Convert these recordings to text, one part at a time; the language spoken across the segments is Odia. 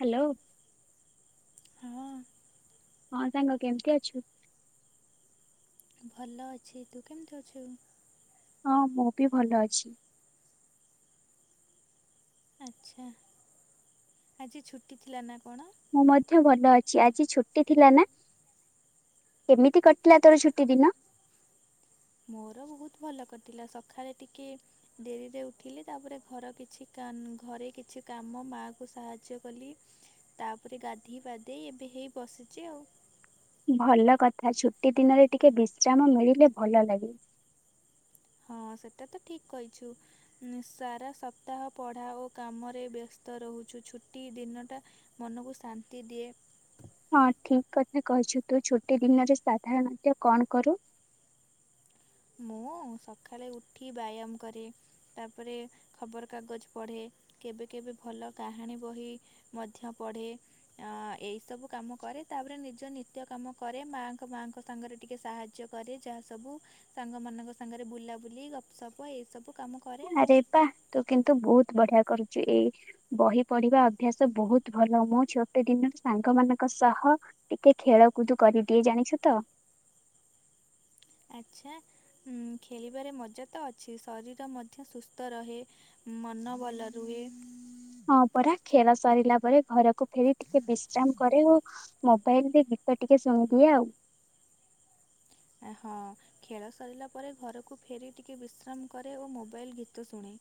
ହ୍ୟାଲୋ। ହଁ। ହଁ ସାଙ୍ଗ କେମିତି ଅଛୁ? ଭଲ ଅଛି ତୁ କେମିତି ଅଛୁ? ହଁ ମୁଁ ବି ଭଲ ଅଛି। ଆଚ୍ଛା, ଆଜି ଛୁଟି ଥିଲା ନା କଣ? ମୁଁ ମଧ୍ୟ ଭଲ ଅଛି ଆଜି ଛୁଟି ଥିଲା ନା? କେମିତି କଟିଲା ତୋର ଛୁଟି ଦିନ? ମୋର ବହୁତ ଭଲ କଟିଲା, ସକାଳେ ଟିକେ ଡେରିରେ ଉଠିଲି ତାପରେ ଘର କିଛି କାନ ଘରେ କିଛି କାମ ମାଆକୁ ସାହାଯ୍ୟ କଲି। ତାପରେ ଗାଧୋଇ ପାଧେଇ ଏବେ ହେଇ ବସିଛି ଆଉ। ଭଲ କଥା ଛୁଟି ଦିନରେ ଟିକେ ବିଶ୍ରାମ ମିଳିଲେ ଭଲ ଲାଗେ। ହଁ ସେଟା ତ ଠିକ କହିଛୁ। ସାରା ସପ୍ତାହ ପଢ଼ା ଓ କାମରେ ବ୍ୟସ୍ତ ରହୁଛୁ ଛୁଟି ଦିନଟା ମନକୁ ଶାନ୍ତି ଦିଏ। ହଁ ଠିକ କଥା କହିଛୁ। ତୁ ଛୁଟି ଦିନରେ ସାଧାରଣତଃ କଣ କରୁ? ମୁଁ ସକାଳେ ଉଠି ବ୍ୟାୟାମ କରେ। ତାପରେ ଖବରକାଗଜ ପଢ଼େ। କେବେ କେବେ ଭଲ କାହାଣୀ ବହି ମଧ୍ୟ ପଢ଼େ। ଅ ଏଇ ସବୁ କାମ କରେ, ତାପରେ ନିଜ ନିତ୍ୟ କାମ କରେ ମାଙ୍କ-ମାଙ୍କ ସାଙ୍ଗରେ ଟିକେ ସାହାଯ୍ୟ କରେ ଯାହା ସବୁ, ସାଙ୍ଗମାନଙ୍କ ସାଙ୍ଗରେ ବୁଲାବୁଲି ଗପ୍ ସପ ଏଇସବୁ ଆରେ ବାଃ ତୁ କିନ୍ତୁ ବହୁତ୍ ବଢିଆ କରୁଚୁ ଏଇ ବହି ପଢିବା ଅଭ୍ୟାସ ବହୁତ୍ ଭଲ, ମୁଁ ଛୁଟି ଦିନରେ ସାଙ୍ଗ ମାନଙ୍କ ସହ ଟିକେ ଖେଳକୁଦ୍ କରିଦିଏ, ଜାଣିଛୁ ତ? ଆଚ୍ଛା ଖେଳିବାରେ ମଜା ତ ଅଛି, ଶରୀର ମଧ୍ୟ ସୁସ୍ଥ ରହେ। ମନ ଭଲ ରୁହେ। ହଁ ପରା ଖେଳ ସରିଲା ପରେ ଘରକୁ ଫେରି ଟିକେ ବିଶ୍ରାମ କରେ ଓ ମୋବାଇଲ୍ ରେ ଗୀତ ଟିକେ ଶୁଣିଦିଏ ଆଉ। ଏ-ହଁ। ଖେଳ ସରିଲା ପରେ ଘରକୁ ଫେରି ଟିକେ ବିଶ୍ରାମ କରେ ଓ ମୋବାଇଲ ଗୀତ ଶୁଣେ।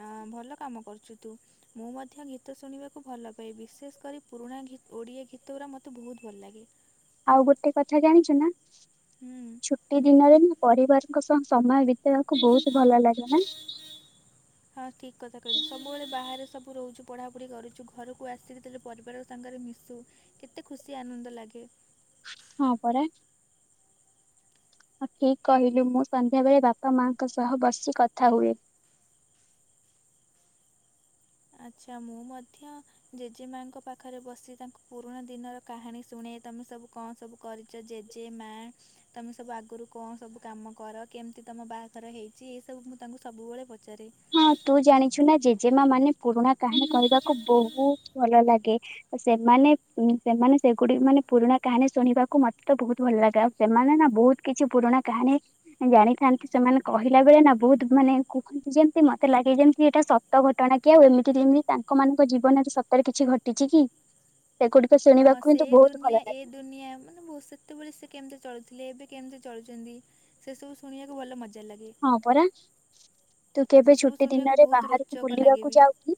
ହଁ ଭଲ କାମ କରୁଛୁ ତୁ। ମୁଁ ମଧ୍ୟ ଗୀତ ଶୁଣିବାକୁ ଭଲପଏ, ବିଶେଷ କରି ପୁରୁଣା ଗୀ ଓଡ଼ିଆ ଗୀତଗୁରା ମୋତେ ବହୁତ୍ ଭଲ୍ ଲାଗେ। ଆଉ ଗୋଟେ କଥା ଜାଣିଚୁ ନା। ହୁଁ। ଛୁଟି ଦିନରେ ଆମେ ପରିବାରଙ୍କ ସହ ସମୟ ବିତେଇବାକୁ ବହୁତ୍ ଭଲ ଲାଗେ ନା? ହଁ ଠିକ୍ କଥା କହିଲୁ, ସବୁବେଳେ ବାହାରେ ସବୁ ରହୁଚୁ ପଢ଼ାପଢି କରୁଚୁ ଘରକୁ ଆସିକି ଯେତେବେଳେ ପରିବାର ସାଙ୍ଗରେ ମିଶୁ କେତେ ଖୁସି ଆନନ୍ଦ ଲାଗେ। ହଁ ପରା। ହଁ ଠିକ୍ କହିଲୁ, ମୁଁ ସନ୍ଧ୍ୟାବେଳେ ବାପା ମାଙ୍କ ସହ ବସି କଥା ହୁଏ। ଆଚ୍ଛା ମୁଁ ମଧ୍ୟ ଜେଜେମାଙ୍କ ପାଖରେ ବସି ତାଙ୍କୁ ପୁରୁଣା ଦିନର କାହାଣୀ ଶୁଣେ ତମେ ସବୁ କଣ ସବୁ କରି ଚ ଜେଜେମା ତମେ ସବୁ ଆଗରୁ କଣ ସବୁ କାମ କର କେମ୍ତି ତମ ବାହାଘର ହେଇଚି, ଏସବୁ ମୁଁ ତାଙ୍କୁ ସବୁବେଳେ ପଚାରେ। ହଁ ତୁ ଜାଣିଛୁ ନା ଜେଜେମା ମାନେ ପୁରୁଣା କାହାଣୀ କହିବାକୁ ବହୁତ୍ ଭଲ ଲାଗେ। ସେମାନେ ଉଁ ସେମାନେ ସେଗୁଡି ମାନେ ପୁରୁଣା କାହାଣୀ ଶୁଣିବାକୁ ମତେ ତ ବହୁତ୍ ଭଲ୍ ଲାଗେ, ଆଉ ସେମାନେ ନା ବହୁତ୍ କିଛି ପୁରୁଣା କାହାଣୀ ଜାଣିଥାନ୍ତି, ସେମାନେ କହିଲା ବେଳେ ନା ବହୁତ୍ ମାନେ କୁହନ୍ତି ଯେ ମତେ ଲାଗେ ଯେମ୍ତି ଏଇଟା ସତ ଘଟଣା କି ଆଉ, ଏମିତି ଯେମିତି ତାଙ୍କ ମାନଙ୍କ ଜୀବନରେ ସତରେ କିଛି ଘଟିଛି କି। [unintelligible] ହଁ ସେ କିନ୍ତୁ ବହୁତ ଭଲ ଦୁନିଆ ଏ ଲାଗେ। ଦୁନିଆ ମାନେ ବହୁତ [unintelligible] ସେତବଳେ ସେ କେମ୍ତି ଚଳୁଥିଲେ ଏବେ କେମ୍ତି ଚଳୁଛନ୍ତି, ସେ ସବୁ ଶୁଣିବାକୁ ଭଲ ମଜା ମଜା ଲାଗେ, ହଁ ପରା ତୁ କେବେ ସେ ସବୁ ଛୁଟି ଶୁଣିବାକୁ ଦିନରେ ବହୁତ୍ ବାହାରକୁ ରୋଚକ ଲାଗେ ବୁଲିବାକୁ ବି। ଯାଉ କି?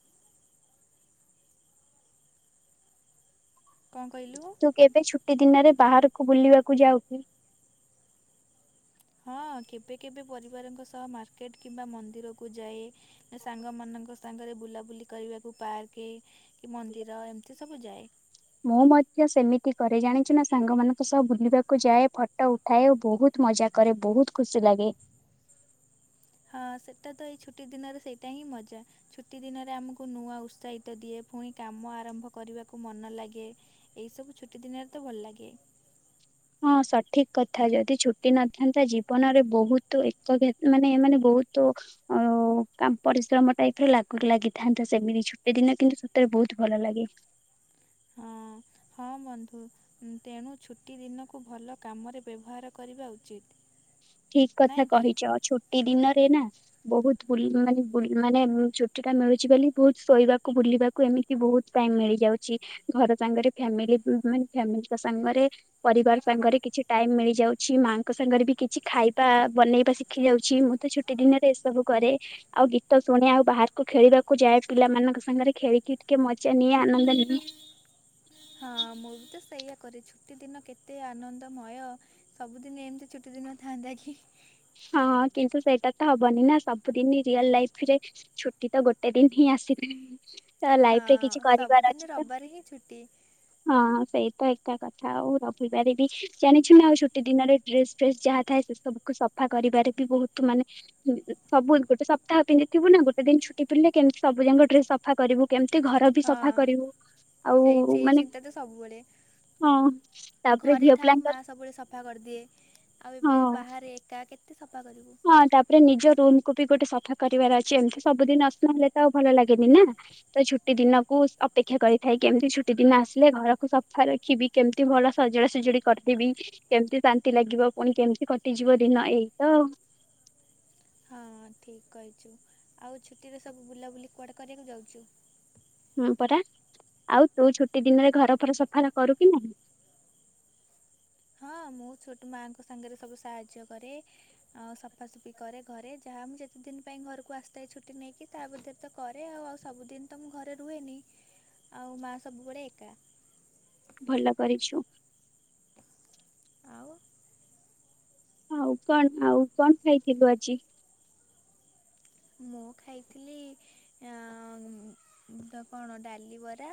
କଣ କହିଲୁ? ତୁ କେବେ ଛୁଟି ଦିନରେ ବାହାରକୁ ବୁଲିବାକୁ ଯାଉକି? ହଁ କେବେ-କେବେ ପରିବାରଙ୍କ ସହ ମାର୍କେଟ୍ କିମ୍ବା ମନ୍ଦିରକୁ ଯାଏ। ସାଙ୍ଗ ମାନଙ୍କ ସାଙ୍ଗରେ ବୁଲାବୁଲି କରିବାକୁ ପାର୍କ କି ମନ୍ଦିର ଏମ୍ତି ସବୁ ଯାଏ। ମୁଁ ମଧ୍ୟ ସେମିତି କରେ, ଜାଣିଛୁ ନା ସାଙ୍ଗମାନଙ୍କ ସହ ବୁଲିବାକୁ ଯାଏ ଫଟ ଥାଏ ଆଉ ବହୁତ୍ ମଜା କରେ, ବହୁତ୍ ଖୁସି ଲାଗେ। ହଁ ସେଟା ତ ଏଇ ଛୁଟି ଦିନରେ ସେଇଟା ହିଁ ମଜା। ଛୁଟି ଦିନରେ ଆମକୁ ନୂଆ ଉତ୍ସାହିତ ଦିଏ, ଫୁଣି କାମ ଆରମ୍ଭ କରିବାକୁ ମନ ଲାଗେ। ଏଇସବୁ ଛୁଟି ଦିନରେ ତ ଭଲ ଲାଗେ। ହଁ ସଠିକ୍ କଥା ଯଦି ଛୁଟି ନଥାନ୍ତା ଜୀବନରେ ବହୁତୁ ଏକ ମାନେ ଏମାନେ ବହୁତୁ ଆଉ ପରିଶ୍ରମ ଟାଇପ୍ ର ଲାଗିଥାନ୍ତା ସେମିତି ଛୁଟି ଦିନ କିନ୍ତୁ ସତରେ ବହୁତ୍ ଭଲ ଲାଗେ। ହଁ-ହଁ ବନ୍ଧୁ। ତେଣୁ ଛୁଟି ଦିନକୁ ଭଲ କାମରେ ବ୍ୟବହାର କରିବା ଉଚିତ୍। ଠିକ୍ କଥା କହିଚ, ଛୁଟି ଦିନରେ ନା ବହୁତ୍ ବୁଲ୍ ମାନେ ବୁଲ୍ ମାନେ ଛୁଟି ଟା ମିଳୁଚି ବୋଲି ବହୁତ୍ ଶୋଇବାକୁ ବୁଲିବାକୁ ଏମିତି ବହୁତ୍ ଟାଇମ୍ ମିଳିଯାଉଚି ଘର ସାଙ୍ଗରେ ଫ୍ୟାମିଲୀ ମାନେ ଫ୍ୟାମିଲୀ ଙ୍କ ସାଙ୍ଗରେ ପରିବାର ସାଙ୍ଗରେ କିଛି ଟାଇମ ମିଳି ଯାଉଛି। ମାଆଙ୍କ ସାଙ୍ଗରେ ବି କିଛି ଖାଇବା ବନେଇବା ଶିଖି ଯାଉଛି ମୁଁ ତ ଛୁଟି ଦିନରେ ଏସବୁ କରେ। ଆଉ ଗୀତ ଶୁଣେ ଆଉ ବାହାରକୁ ଖେଳିବାକୁ ଯାଏ ପିଲାମାନଙ୍କ ସାଙ୍ଗରେ ଖେଳିକି ଟିକେ ମଜା ନିଏ ଆନନ୍ଦ ନିଏ। ହଁ ମୁଁ ବି ତ ସେଇୟଆ କରେ ଛୁଟି ଦିନ କେତେ ଆନନ୍ଦମୟ। ସବୁଦିନେ ଏମିତି ଛୁଟି ଦିନ ଥାନ୍ତା କି? ହଁଁ କିନ୍ତୁ ସେଇଟା ତ ହବନି ନା ସବୁଦିନ ରିଅଲ ଲାଇଫ ରେ। ଛୁଟି ତ ଗୋଟେ ଦିନ ହିଁ ଆସିଥାଏ। ତ ହଁ ଲାଇଫରେ କିଛି କରିବାର ସବୁଦିନ ଅଛି ତ। ରବିବାର ହିଁ ଛୁଟି ହଁ ସେଇ ତ ଏକା କଥା ଆଉ ରବିବାର ବି। ଜାଣିଛୁ ନା ଆଉ ଛୁଟି ଦିନରେ ଡ୍ରେସ ଫ୍ରେସ୍ ଯାହା ଥାଏ ସେ ସବୁ ସଫା କରିବାରେ ବି ବହୁତ ମାନେ ହୁଁ ଉଁ ଶବୁ ଗୋଟେ ସପ୍ତାହ ପିନ୍ଧିଥିବୁ ନା ଗୋଟେ ଦିନ ଛୁଟି ପିିଲ କେମତି ସବୁ ଯାକ ଡ୍ରେସ ସଫା କରିବୁ? କେମିତି ଘର ବି ହଁ ସଫା କରିବୁ ଆଉ ସେଇ ସେଇ ମାନେ ଚିନ୍ତା ତ ସବୁବେଳେ। ହଁ ତାପରେ ଘରେ ଝିଅ ଥାଉ ମା ପିଲାଙ୍କର ସବୁବେଳେ ସଫା କରିଦିଏ। ଆଉ ଏବେ ହଁ ଯଉ ବାହାରେ ଏକା କେତେ ସଫା କରିବୁ? ହଁ ତାପରେ ନିଜ ରୁମକୁୁ ବି ଗୋଟେ ସଫା କରିବାର ଅଛି ଏମିତି ସବୁଦିନ ଅସନା ହେଲେ ତ ଆଉ ଭଲ ଲାଗେନି ନା। ତ ଛୁଟି ଦିନକୁ ଅପେକ୍ଷା କରିଥାଏ କେମିତି ଛୁଟି ଦିନ ଆସିଲେ ଘରକୁ ସଫା ରଖିବି? କେମତି ଭଲ ସଜଡା ସଜୁଡି କରିଦେବି। କେମିତି ଶାନ୍ତି ଲାଗିବ ପୁଣି କେମିତି କଟିଯିବ ଦିନ ଏଇ ତ ଆଉ। ହଁ ଠିକ କହିଛୁ ଆଉ ଛୁଟିରେ ସବୁ ବୁଲାବୁଲି କୁଆଡ଼େ କରିବାକୁ ଯାଉଛୁ? ହଁ ପରା ଆଉ ତୁ ଛୁଟି ଦିନରେ ଘର ଫର ସଫା କରୁ କି ନାଇ? ହଁ ମୁଁ ଛୋଟ ମାଙ୍କ ସାଙ୍ଗରେ ସବୁ ସାହାଯ୍ୟ କରେ। ଆଉ ସଫାସଫି କରେ ଘରେ ଯାହା ମୁଁ ଯେତେ ଦିନ ପାଇଁ ଘରକୁ ଆସିଥାଏ ଛୁଟି ନେଇକି ତାବରେ ତ କରେ ଆଉ ଆଉ ସବୁଦିନ ତ ମୁଁ ଘରେ ରୁହେନି ଆଉ ମାଆ ସବୁବେଳେ ଏକା। ଭଲ କରିଛୁ। ଆଉ? ଆଉ କଣ ଆଉ କଣ ଖାଇଥିଲୁ ଆଜି? ମୁଁ ଖାଇଥିଲି ଅଁ କଣ ଡାଲି ବରା।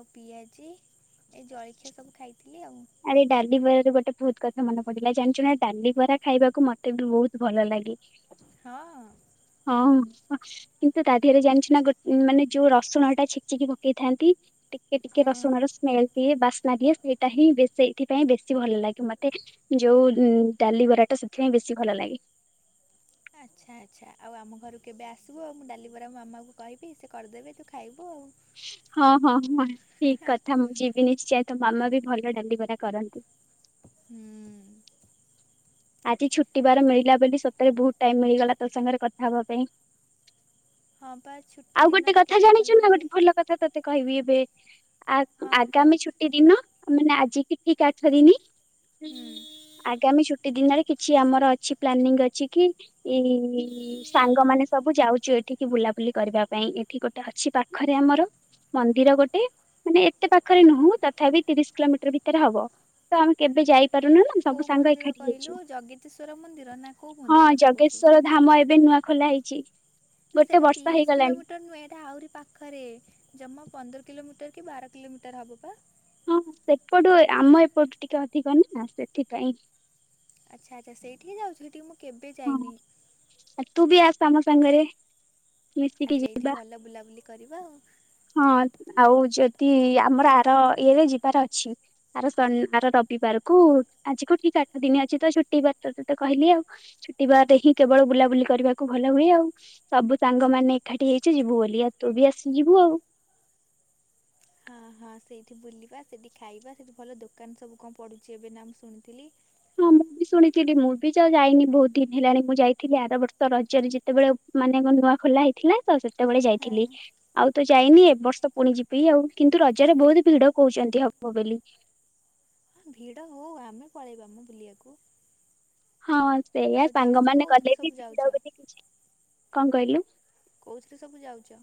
ଆଉ ପିଆଜି ଏଇ ଜଳଖିଆ ସବୁ ଖାଇଥିଲି ଆଉ। ଆରେ ଏଇ ଡାଲି ବରା ର ଗୋଟେ ବହୁତ କଥା ମନେ ପଡିଲା ଜାଣିଛୁ ନା ଡାଲି ବରା ଖାଇବାକୁ ମତେ ବି ବହୁତ ଭଲ ଲାଗେ। ହଁ। ହଁ। [unintelligible] କିନ୍ତୁ ତା ଦେହରେ ଜାଣିଛୁ ନା ଗୋ ମାନେ ଯୋଉ ରସୁଣ ଟା ଛେଚିକି ପକେଇଥାନ୍ତି? ଟିକେ ଟିକେ ରସୁଣର ସ୍ମେଲ ଦିଏ ବାସ୍ନା ଦିଏ ସେଇଟା ହିଁ ବ ଏଥିପାଇଁ ବେଶୀ ଭଲ ଲାଗେ ମତେ। ଯୋଉ ଡାଲି ବରାଟ ସେଥିପାଇଁ ବେଶୀ ଭଲ ଲାଗେ। ଆଚ୍ଛା ଆଚ୍ଛା ଆଉ ଆମ ଘରୁ କେବେ ଆସିବୁ ମୁଁ ଡାଲି ବରା ମୋ ମାମାଙ୍କୁ କହିବି ସେ କରିଦେବେ ତୁ ଖାଇବୁ ଆଉ। ହଁ ହଁ ହଁ ଠିକ କଥା ମୁଁ ଯିବି ନିଶ୍ଚୟ, ତ ମାମା ବି ଭଲ ଡାଲିବରା କରନ୍ତି। ହୁଁ। ଆଜି ଛୁଟିବାର ମିଳିଲା ବୋଲି ସତରେ ବହୁତ ଟାଇମ ମିଳିଗଲା ତୋ ସାଙ୍ଗରେ କଥା ହବା ପାଇଁ। ହଁ ବା ଛୁଟି ଆଉ ଗୋଟେ ଦିନଟା କଥା କେତେ ଭଲ ଜାଣିଛୁ ନା? ଲାଗେ ଗୋଟେ ଭଲ କଥା ତତେ କହିବି ଏବେ ଆ ହଁ କହ ଆଗାମୀ ଛୁଟ୍ ଦିନ ମାନେ ଆଜି କି ଠିକ ଆଠ ଦିନ ହୁଁ ଆଗାମି ଛୁଟି। ଗ ଦିନରେ କିଛି ଆମର ଅଛି ପ୍ଲାନିଂ ଅଛି କି? ଏଇ ସାଙ୍ଗମାନୋନେ ସବୁ ଯାଉଛୁ ଏଠିକି ବୁଲାବୁଲି କରିବା ପାଇଁ, ଏଠି ଗୋଟେ ଅଛି ପାଖରେ ଆମର। ମନ୍ଦିର ଗୋଟେ ମାନେ ଏତେ ପାଖରେ ନୁହଁ ତଥାପି ତିରିଶ କିଲୋମିଟର ଭିତରେ ହବ। ତ ଆମେ କେବେ ଯାଇପାରୁନୁ ନା କୋଉ ସବୁ ସାଙ୍ଗ ମନ୍ଦିର ଏକାଠି ହେଇଛୁ। କହିଲୁ ଜଗତୀଶ୍ଵର ମନ୍ଦିର ନା କୋଉ ହଁ ମନ୍ଦିର କଥା କହୁଛୁ? ଜଗେଶ୍ଵର ଧାମ ଏବେ ନୂଆ ଖୋଲା ହେଇଛି। ଇ ଲୋ ଗୋଟେ ସେଟା ବର୍ଷ ତିରିଶ ହେଇଗଲାଣି। କିଲୋମିଟ ନୁହେଁ। ହେଟା ଆହୁରି ପା ଖରେ ଜମା ପନ୍ଦର କିଲୋମିଟର କି ବାର କିଲୋମିଟର ହେବ ପା। ହଁ ସେପଟୁ ଆମ ଏପଟୁ ଟିକେ ଅଧିକ ନା ନା ସେଥିପାଇଁ। ଆଚ୍ଛା ଆଚ୍ଛା ସେଇଠି ଯାଉଚୁ ସେଠିକି ମୁଁ କେବେ ଯାଇନି। ଆ ତୁ ବି ଆସ ଆମ ସାଙ୍ଗରେ। ଆଉ ମିଶିକି ଯିବା। ସେଇଠି ଭଲ ବୁଲାବୁଲି କରିବା ଆଉ। ହଁ ଆଉ ଯଦି ଆମର ଆର ଇଏରେ ଯିବାର ଅଛି। ଆର ସନ୍ ଆର ରବିବାର କୁ ଆଜି କୁ ଠିକ ଆଠ ଦିନ ଅଛି ତ ଛୁଟି ବ ତ କହିଲି ଆଉ। ଛୁଟିବାର ରେ ହିଁ କେବଳ ବୁଲାବୁଲି କରିବାକୁ ଭଲ ହୁଏ ଆଉ। ସବୁ ସାଙ୍ଗମାନେ ଏକାଠି ହେଇଛି ଯିବୁ ବୋଲି ଆ ତୁ ବି ଆସିି ଯିବୁ ଆଉ। ହଁ ହଁ ସେଇଠି ବୁଲିବା, ସେଇଠି ଖାଇବା, ସେଠି ଭଲ ଦୋକାନ ସବୁ କଣ ପଡିଛି ଏବେ ନା ମୁ ଶୁଣିଥିଲି। ହଁ ମୁଁ ବି ଶୁଣିଥିଲି ମୁଁ ବି ଯ ଯାଇନି ବହୁତ ଦିନ ହେଲାଣି ମୁଁ ଯାଇଥିଲି ଆର ବର୍ଷ ରଜରେ ଯେତେବେଳେ ମାନେ କଁ ନୂଆ ଖୋଲା ହେଇଥିଲା ତ ସେତେବେଳେ ହଁ ଯାଇଥିଲି ଆଉ ତ ଯାଇନି ଏ ବର୍ଷ ପୁଣି ଯିବି ଆଉ କିନ୍ତୁ ରଜରେ ବହୁତ ଭିଡ କହୁଛନ୍ତି ହବ ବୋଲି। ଭିଡ ହଉ ଆମେ ପଳେଇବା ମ ବୁଲିବାକୁ। ହଁ ସେଇଆ ଆଉ ଯାଉଛୁ ସାଙ୍ଗମାନେ କଲେ କୋଉଥିରେ ବି ସବୁ ଭିଡ ଯାଉଛ ବୋଲି କିଛି କଣ କହିଲୁ। କୋଉଥିରେ ସବୁ ଯାଉଛ?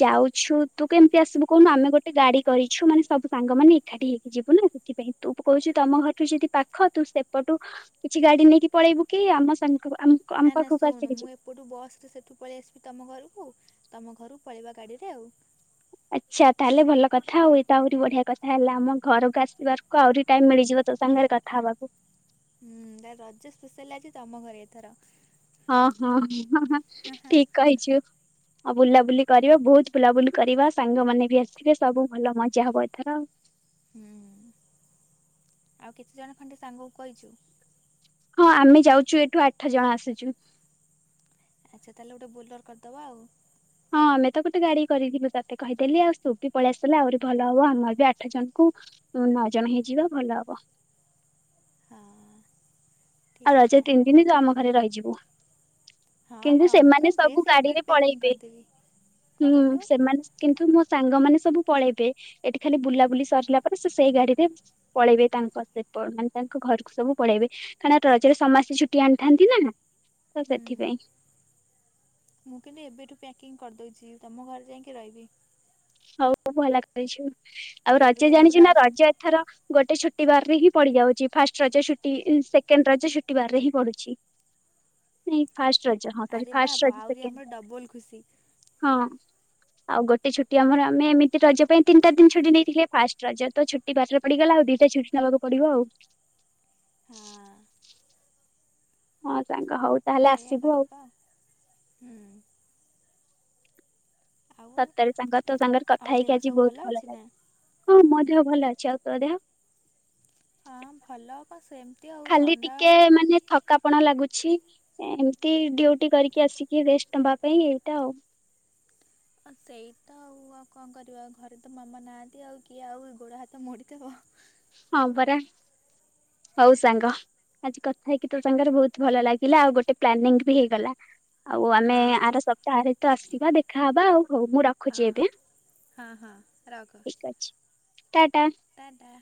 ଯାଉଛୁ ତୁ କେମିତି ଆସିବୁ କହୁନୁ, ଆମେ ଗୋଟେ ଗାଡି କରିଛୁ ମାନେ ସବୁ ସାଙ୍ଗମାନେ ଏକାଠି ହେଇକି ଯିବୁ ନା ସେଥିପାଇଁ ତୁ କହୁଛୁ ତମ ଘରୁ ଯଦି ପାଖ ତୁ ସେପଟୁ କିଛି ଗାଡି ନେଇକି ପଳେଇବୁ କି ଆମ ସାଙ୍ଗ ଆମ ନା ନା ପାଖକୁ ଶୁଣୁ ଆସିକି ମୁଁ ଯିବୁ। ଏ ପଟୁ ବସରେ ସେଠୁ ପଳେଇ ଆସିବି ତମ ଘରକୁ ତମ ଘରୁ ପଳେଇବା ଗାଡିରେ ଆଉ। ଆଚ୍ଛା ତାହେଲେ ଭଲ କଥା ଆଉ ଏତ ଆହୁରି ବଢିଆ କଥା ହେଲା ଆମ ଘରକୁ ଆସିବାର କୁ ଆହୁରି ଟାଇମ ମିଳିଯିବ ତୋ ସାଙ୍ଗରେ କଥା ହବାକୁ। ହୁଁ ତ ରଜ ସ୍ପେଶାଲ ଆଜି ତମ ଘରେ ଏଥର। ହଁ ହଁ ଠିକ ହାଁ ହାଁ କହିଛୁ। ଆଉ ବୁଲାବୁଲି କରିବା ବହୁତ ବୁଲାବୁଲି କରିବା ସାଙ୍ଗ ମାନେ ବି ଆସିବେ ସବୁ ଭଲ ମଜା ହବ ଏଥର ଆଉ। ହୁଁ ଆଉ କେତେ ଜଣ ଖଣ୍ଡେ ସାଙ୍ଗକୁ କହିଛୁ? ହଁ ଆମେ ଯାଉଛୁ ଏଠୁ ଆଠ ଜଣ ଆସିଛୁ। ଆଚ୍ଛା ତାହେଲେ ଗୋଟେ ବୋଲର କରିଦବା ଆଉ। ହଁ ଆମେ ତ ଗୋଟେ ଗାଡି କରିଥିଲୁ ତତେ କହିଦେଲି ଆଉ ସବୁ ବି ପଳେଇ ଆସିଲା ଆହୁରି ଭଲ ହବ ଆମର ବି ଆଠ ଜଣଙ୍କୁ ତୁ ନଅ ଜଣ ହେଇଯିବା ଭଲ ହବ। ଆ। ଆଉ ରଜ ତିନି ଦିନ ତୁ ଆମ ଘରେ ରହିଯିବୁ। ହଁ କିନ୍ତୁ ହଁ ମୁଁ ସେମାନେ ପୁରା ସବୁ ଡ୍ରେସ୍ ଗାଡିରେ ଏବେଠୁ ପ୍ୟାକିଂ ପଳେଇବେ କରିଦେବି। କଣ ହୁଁ କହିଲୁ? ସେମାନେ କିନ୍ତୁ ମୋ ସାଙ୍ଗମାନେ ସବୁ ପଳେଇବେ ଏଠି ଖାଲି ବୁଲାବୁଲି ସରିଲା ପରେ ସେ ସେଇ ଗାଡିରେ ପଳେଇବେ ତାଙ୍କ ସେ ମାନେ ତାଙ୍କ ଘରକୁ ସବୁ ପଳେଇବେ। କାରଁ ରଜରେ ସମସ୍ତେ ଛୁଟି ଆଣିଥାନ୍ତି ନା ତ ହୁଁ ସେଥିପାଇଁ। ମୁଁ କିନ୍ତୁ ଏବେଠୁ ପ୍ୟାକିଂ କରିଦଉଛି ତମ ଘରେ ଯାଇକି ରହିବି। ହଉ ଭଲ କରିଛୁ, ଆଉ ଯୋଉ ରଜ ରୁମ୍ ଜାଣିଛୁ ପୁରା ନା ରଜ ଏଥର ଗୋଟେ ଛୁଟିିବାରରେ ହିଁ ପଡ଼ିଯାଉଛି, ଫାଷ୍ଟ ରଜ ଛୁଟି ସେକେଣ୍ଡ ରଜ ଛୁଟ ବାର ରେ ହିଁ ପଡୁଛି। ଫାଷ୍ଟ ର ଆରେ ବାପ ଆହୁରି ଆମର ଡବଲ ଖୁସି। ହଁ ଆଉ ଗୋଟେ ଛୁ ଛୁଟି ଆମ ଆମେ ଏମିତି ରଜ ପାଇଁ ତିିଟା ଦିନ ଛୁଟି ନେଇଥିଲେ, ଫାଷ୍ଟ ରଜ ତ ଛୁଟି ବାରରେ ପଡିଗଲା ଆ ଦୁଟା ଛୁଟି ନେବାକୁ ପଢିବ ଆଉ। ହଁ। ହଁ ସାଙ୍ଗ ହଉ। ତାହେଲେ ସେଇୟା ଆସିବୁ ଆଉ। କରିବା ହୁଁ। ଆଉ ସତରେ ସାଙ୍ଗ ତୋ ସାଙ୍ଗରେ ଆଉ କଥା ହେଇକି ଦେହ ଆଜି ସବୁ ବହୁତ ଭଲ ଅଛି ନା? ଲାଗେ ହଁ ମୋ ଦେହ ଭଲ ଅଛି, ଆଉ ତୋ ଦେହ? ହଁ ଭଲ କଣ ସେମିତି ଆଉ ଥଣ୍ଡା ଥକାପଣା ଲାଗୁଛି, ଏମିତି ଡ୍ୟଉଟି କରିକି ଆସିକି ରେଷ୍ଟ ନବା ପାଇଁ ଏଇଟା ଆଉ। ଆଉ ସେଇ ତ ଆଉ ଆଉ କଣ କରିବା ଘରେ ତ ମାମା ନାହାନ୍ତି ଆଉ କିଏ ଆଉ ଗୋଡ ହାତ ମୋଡିଦବ। ହଁ ପରା। ହଉ ସାଙ୍ଗ ଆଜି କଥା ହେଇକି ତୋ ସାଙ୍ଗରେ ବହୁତ ଭଲ ଲାଗିଲା। ଆଉ ଗୋଟେ ପ୍ଲାନିଙ୍ଗ ବି ହେଇଗଲା। ଆଉ ଆମେ ହଁ ଆର ସପ୍ତାହରେ ତ ଆସିବା, ଦେଖା ହବା ଆଉ, ହଉ ମୁଁ ର ହଁ ଖୁଛି ଏବେ ହଁ ହଁ ଠିକ ଅଛି ଟା ଟା। ଟା ଟା।